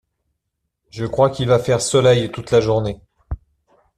Je crois qu’il va faire soleil toute la journée.